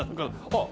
あっ。